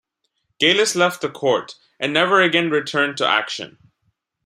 Galis left the court, and never again returned to action.